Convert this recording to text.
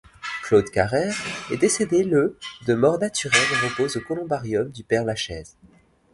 Claude Carrère est décédé le de mort naturelle et repose au columbarium du Père-Lachaise.